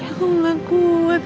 aku gak kuat